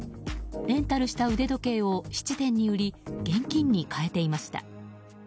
レンタルした腕時計を質店に売り現金に換えていました。